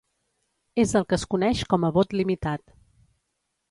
És el que es coneix com a vot limitat.